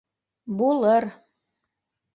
— Булыр.